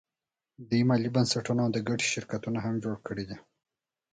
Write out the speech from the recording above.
دوی مالي بنسټونه او د ګټې شرکتونه هم جوړ کړي دي